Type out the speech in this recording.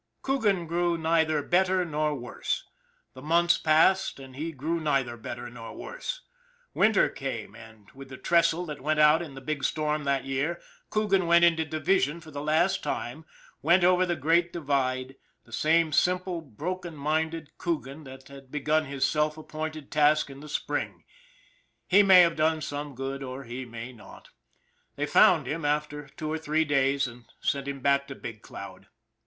Coogan grew neither better nor worse. The months passed, and he grew neither better nor worse. Winter came, and, with the trestle that went out in the big storm that year, Coogan went into Division for the last time, went over the Great Divide, the same simple, broken minded Coogan that had begun his self ap pointed task in the spring he may have done some good, or he may not. They found him after two or three days, and sent him back to Big Cloud.